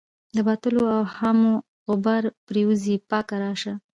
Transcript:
د باطلو اوهامو غبار پرېوځي پاکه راشه.